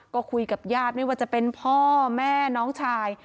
ก็คุยกับญาติไม่ว่าจะเป็นพ่อแม่น้องชาย